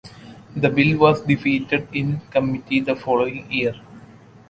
The bill was defeated in committee the following year.